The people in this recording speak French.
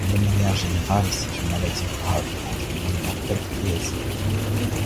De manière générale, c'est une maladie grave, entraînant une mortalité assez élevée.